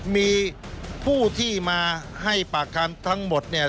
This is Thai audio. มีผู้ที่มาให้ปากคำทั้งหมดเนี่ย